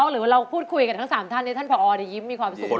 หรือว่าเราพูดคุยกับทั้ง๓ท่านท่านผอเดี๋ยวยิ้มมีความสุขมากเกิน